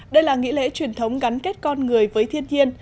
đây là nghi lễ truyền thống gắn kết con người với thiên nhiên